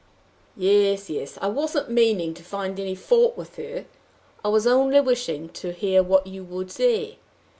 "Yes, yes! I wasn't meaning to find any fault with her; I was only wishing to hear what you would say.